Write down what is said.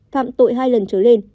phạm tội hai lần trở lên